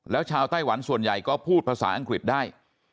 แล้วชาวไต้หวันส่วนใหญ่ก็พูดภาษาอังกฤษได้